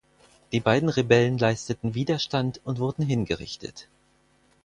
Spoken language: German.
Die beiden Rebellen leisteten Widerstand und wurden hingerichtet.